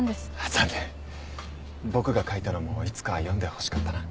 残念僕が書いたのもいつか読んでほしかったな。